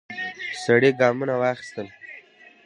سړی ګامونه واخیستل.